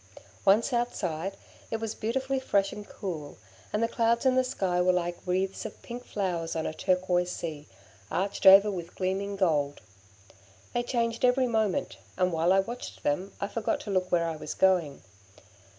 Once outside, it was beautifully fresh and cool, and the clouds in the sky were like wreaths of pink flowers on a turquoise sea, arched over with gleaming gold. They changed every moment, and while I watched them I forgot to look where I was going.